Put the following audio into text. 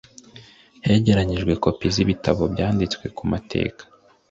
hegeranijwe kopi z'ibitabo byanditswe ku mateka